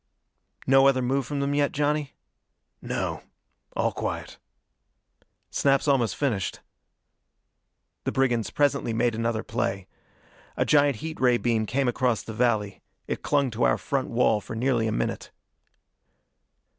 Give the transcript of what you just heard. "No other move from them yet, Johnny?" "No. All quiet." "Snap's almost finished." The brigands presently made another play. A giant heat ray beam came across the valley. It clung to our front wall for nearly a minute.